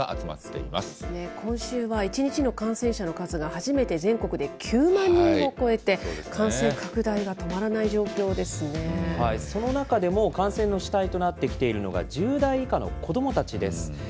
そうですね、今週は１日の感染者の数が初めて全国で９万人を超えて、感染拡大その中でも、感染の主体となってきているのが、１０代以下の子どもたちです。